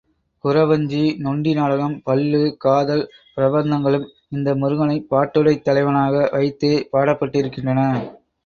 குறவஞ்சி, நொண்டி நாடகம், பள்ளு, காதல், பிரபந்தங்களும், இந்த முருகனைப் பாட்டுடைத் தலைவனாக வைத்தே பாடப்பட்டிருக்கின்றன.